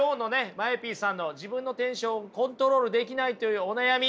ＭＡＥＰさんの自分のテンションをコントロールできないというお悩み